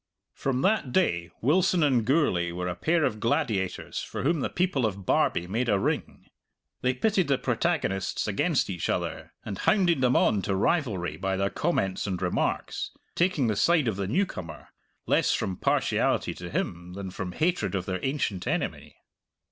From that day Wilson and Gourlay were a pair of gladiators for whom the people of Barbie made a ring. They pitted the protagonists against each other and hounded them on to rivalry by their comments and remarks, taking the side of the newcomer, less from partiality to him than from hatred of their ancient enemy.